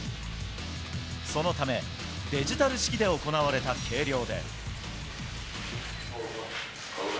そのため、デジタル式で行われたオーバー。